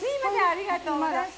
ありがとうございます！